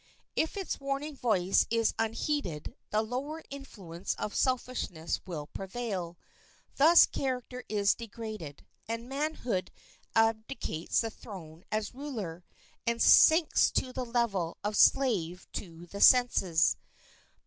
If its warning voice is unheeded the lower influence of selfishness will prevail; thus character is degraded, and manhood abdicates its throne as ruler, and sinks to the level of slave to the senses.